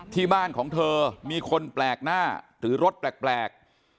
ที่บ้านของเธอมีคนแปลกหน้าหรือรถแปลก